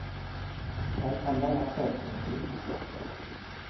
ใช้คำว่ารัฐเปิดเผย